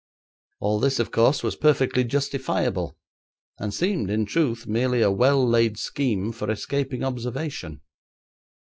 All this, of course, was perfectly justifiable, and seemed, in truth, merely a well laid scheme for escaping observation.